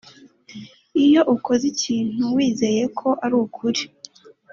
iyo ukoze ikintu wizeye ko ari ukuri